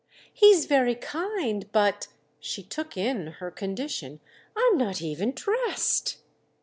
"He's very kind, but"—she took in her condition—"I'm not even dressed!"